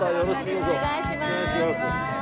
お願いします。